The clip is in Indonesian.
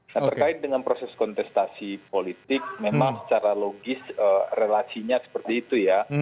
nah terkait dengan proses kontestasi politik memang secara logis relasinya seperti itu ya